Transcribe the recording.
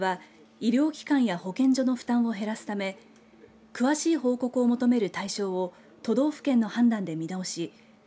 政府は医療機関や保健所の負担を減らすため詳しい報告を求める対象を都道府県の判断で見直し